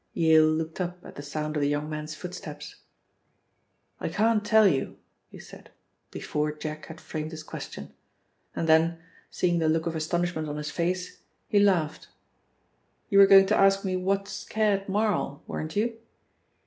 Yale looked up at the sound of the young man's footsteps. "I can't tell you," he said, before Jack had framed his question, and then, seeing the look of astonishment on his face, he laughed. "You were going to ask me what scared Marl, weren't you?"